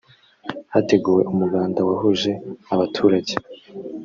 hateguwe umuganda wahuje abaturage